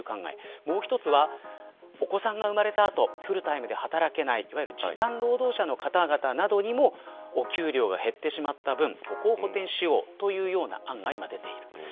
もう一つはお子さんが生まれた後フルタイムで働けないいわゆる時短労働者の方々などにもお給料が減ってしまった分ここを補てんしようというような案が出ている。